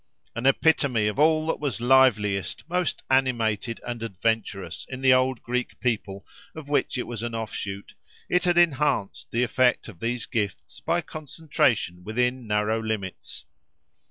An epitome of all that was liveliest, most animated and adventurous, in the old Greek people of which it was an offshoot, it had enhanced the effect of these gifts by concentration within narrow limits.